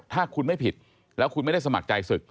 ถ้าคุณไม่ผิดแล้วคุณไม่ได้สมัครใจศึก